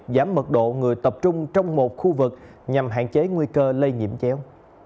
giảm mật độ người tập trung trong một khu vực nhằm hạn chế nguy cơ lây nhiễm chéo